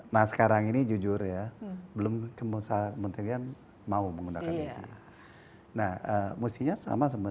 nah sekarang ini jujur ya belum kemusaha menteri yang mau menggunakan nah musiknya sama sama